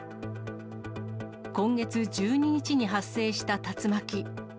今月１２日に発生した竜巻。